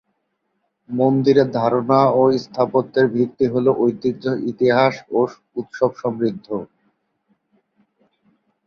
মন্দিরের ধারণা ও স্থাপত্যের ভিত্তি হল ঐতিহ্য, ইতিহাস এবং উৎসব সমৃদ্ধ।